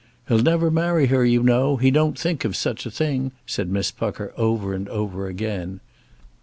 "He'll never marry her, you know. He don't think of such a thing," said Miss Pucker over and over again.